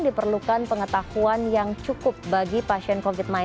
diperlukan pengetahuan yang cukup bagi pasien covid sembilan belas